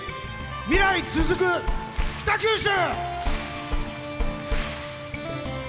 未来続く、北九州！